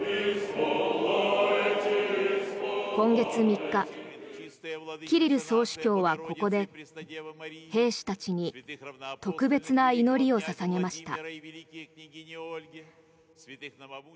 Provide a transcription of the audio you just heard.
今月３日、キリル総主教はここで兵士たちに特別な祈りを捧げました。